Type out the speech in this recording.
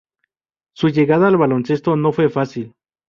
Su llegada al baloncesto no fue fácil.